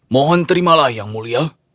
mohon terimalah yang mulia